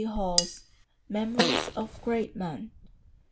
Hall's Memories of Great Men.